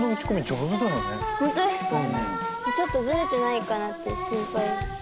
ちょっとズレてないかなって心配。